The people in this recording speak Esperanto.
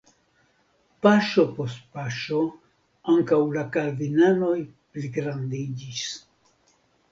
Paŝo post paŝo ankaŭ la kalvinanoj pligrandiĝis.